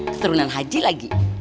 seturunan haji lagi